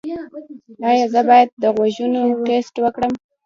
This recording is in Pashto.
ایا زه باید د غوږونو ټسټ وکړم؟